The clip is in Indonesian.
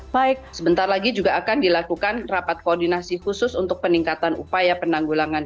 baik sebentar lagi juga akan dilakukan rapat koordinasi khusus untuk peningkatan upaya penanggulangan